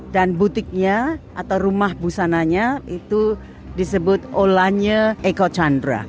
dan butiknya atau rumah busananya itu disebut olanya eko chandra